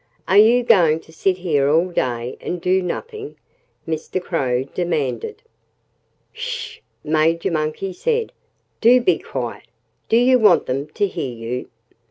"Are you going to sit here all day and do nothing?" Mr. Crow demanded. "S sh!" Major Monkey said. "Do be quiet! Do you want them to hear you?"